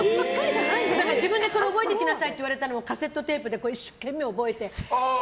自分でこれ覚えてきなさいって言われたのをカセットテープで一生懸命覚えて。